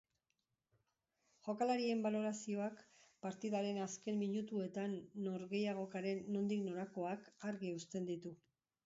Jokalarien balorazioak partidaren azken minutuetan norgehiagokaren nondik norakoak argi uzten ditu.